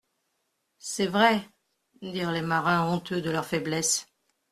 C'est vrai, dirent les marins honteux de leur faiblesse.